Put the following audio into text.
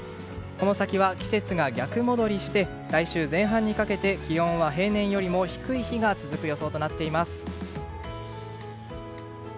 この先は季節が逆戻りして来週前半にかけて気温は平年より低い日が続く予想となっています。